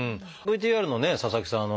ＶＴＲのね佐々木さん